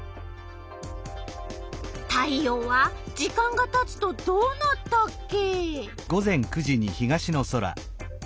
太陽は時間がたつとどうなったっけ？